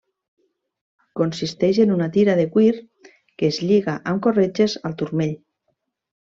Consisteix en una tira de cuir que es lliga amb corretges al turmell.